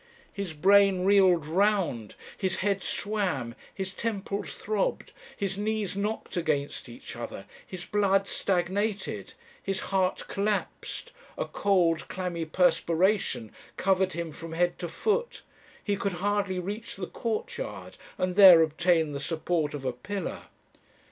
His brain reeled round, his head swam, his temples throbbed, his knees knocked against each other, his blood stagnated, his heart collapsed, a cold clammy perspiration covered him from head to foot; he could hardly reach the courtyard, and there obtain the support of a pillar.